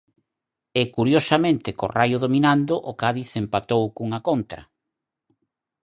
E curiosamente co Raio dominando, o Cádiz empatou cunha contra.